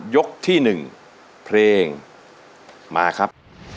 ยกที่๑เพลงมาครับ